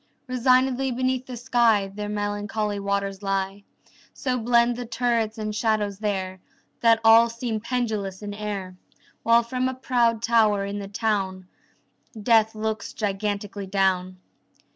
Resignedly beneath the sky The melancholy waters lie. So blend the turrets and shadows there That all seem pendulous in air, While from a proud tower in the town Death looks gigantically down.